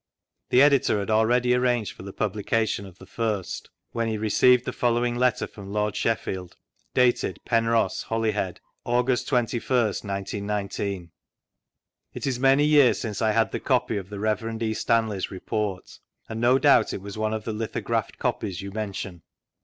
The Editor had already arranged for the publica tion of the first, when he received the following letter from Lord Sheffield, dated Penrbos, Htdy head, August 21st, 1919;— " It is many years since 1 had ttie copy of the Rev, E. ' Stanley's report, and no doubt it was one of the litho graphed copies yon mention.